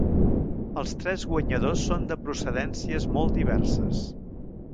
Els tres guanyadors són de procedències molt diverses.